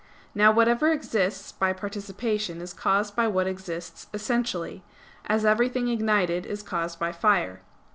Now whatever exists by participation is caused by what exists essentially; as everything ignited is caused by fire.